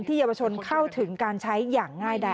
เยาวชนเข้าถึงการใช้อย่างง่ายได้